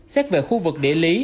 xét về khu vực địa lý